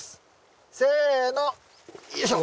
せのよいしょ！